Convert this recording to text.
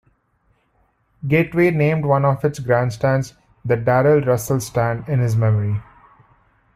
Gateway named one of its grandstands "The Darrell Russell Stand" in his memory.